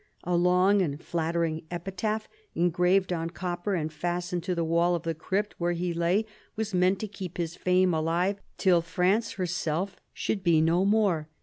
A long and flattering epitaph, engraved on copper and fastened to the wall of the crypt where he lay, was meant to keep his fame alive till France herself should be no more.